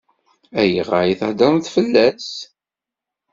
Ayɣer i theddṛemt fell-as?